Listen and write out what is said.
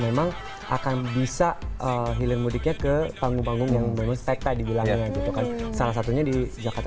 memang akan bisa hilir mudiknya ke panggung panggung yang mengecek tadi lahirkan salah satunya di jakarta